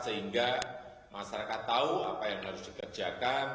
sehingga masyarakat tahu apa yang harus dikerjakan